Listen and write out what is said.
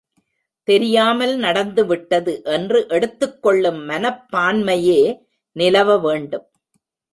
தெரியாமல் நடந்துவிட்டது என்று எடுத்துக் கொள்ளும் மனப்பான்மையே நிலவ வேண்டும்.